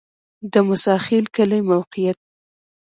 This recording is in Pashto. د موسی خیل کلی موقعیت